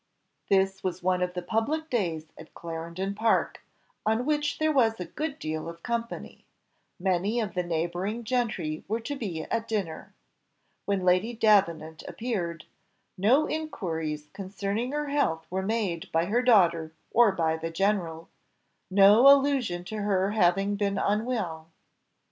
This was one of the public days at Clarendon Park, on which there was a good deal of company; many of the neighbouring gentry were to be at dinner. When Lady Davenant appeared, no inquiries concerning her health were made by her daughter or by the general no allusion to her having been unwell.